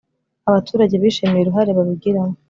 abaturage bishimiye uruhare babigiramo.